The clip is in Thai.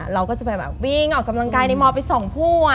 เราก็จะไปแบบวิ่งออกกำลังกายในมไป๒คู่